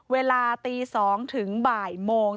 เวลาตี๒ถึงบ่ายโมง